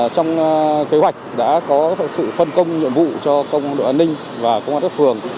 trong kế hoạch đã có sự phân công nhiệm vụ cho đội an ninh và công an các phường